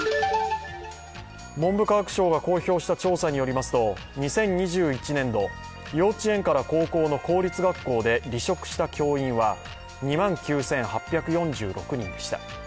文部科学省が公表した調査によりますと２０２１年度、幼稚園から高校の公立学校で離職した教員は２万９８４６人でした。